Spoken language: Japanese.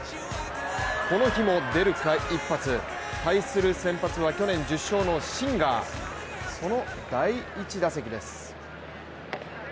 この日も出るか一発、対する先発は去年１０勝のシンガーその第１打席です。